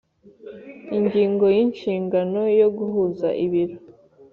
Ingingo ya Inshingano yo guhuza ibiro